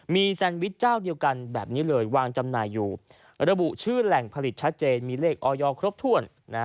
มีแซนวิชเจ้าเดียวกันแบบนี้เลยวางจำหน่ายอยู่ระบุชื่อแหล่งผลิตชัดเจนมีเลขออยครบถ้วน